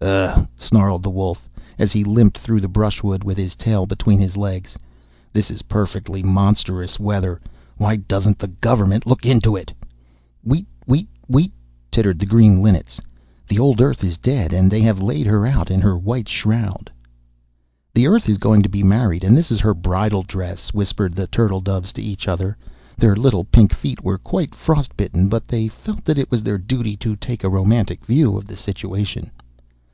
'Ugh!' snarled the Wolf, as he limped through the brushwood with his tail between his legs, 'this is perfectly monstrous weather. Why doesn't the Government look to it?' 'Weet! weet! weet!' twittered the green Linnets, 'the old Earth is dead and they have laid her out in her white shroud.' 'The Earth is going to be married, and this is her bridal dress,' whispered the Turtle doves to each other. Their little pink feet were quite frost bitten, but they felt that it was their duty to take a romantic view of the situation.